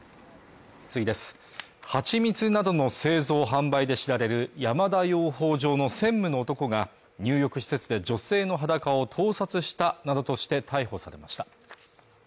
蜂蜜などの製造販売で知られる山田養蜂場の専務の男が入浴施設で女性の裸を盗撮したなどとして逮捕されました